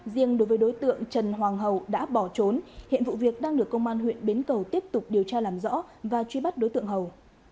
riêng đối với đối tượng trần hoàng hậu đã bỏ trốn hiện vụ việc đang được công an huyện bến cầu tiếp tục điều tra làm rõ và truy bắt đối tượng hầu